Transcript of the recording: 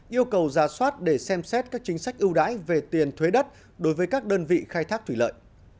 yêu cầu giả soát để xem xét các chính sách ưu đãi về tiền thuế đất đối với các đơn vị khai thác thủy lợi